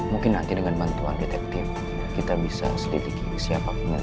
mungkin nanti dengan bantuan detektif kita bisa selidiki siapa pun yang iseng karting ya pak